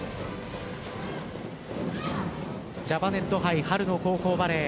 ジャパネット杯春の高校バレー。